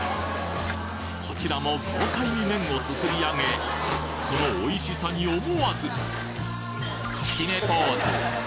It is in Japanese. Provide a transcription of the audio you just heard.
こちらも豪快に麺をすすり上げそのおいしさに思わず決めポーズ